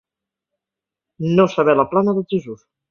No saber la plana del Jesús.